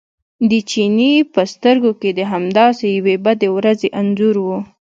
د چیني په سترګو کې د همداسې یوې بدې ورځې انځور و.